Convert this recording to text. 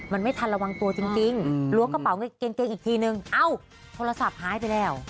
มันไม่ทันระวังตัวจริงล้วงกระเป๋ากางเกงอีกทีนึงเอ้าโทรศัพท์หายไปแล้ว